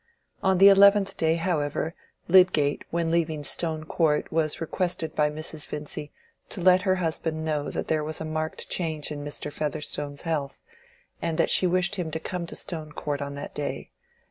On the eleventh day, however, Lydgate when leaving Stone Court was requested by Mrs. Vincy to let her husband know that there was a marked change in Mr. Featherstone's health, and that she wished him to come to Stone Court on that day.